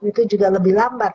itu juga lebih lambat